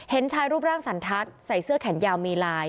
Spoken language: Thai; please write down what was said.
เห็นชายรูปร่างสันทัศน์ใส่เสื้อแขนยาวมีลาย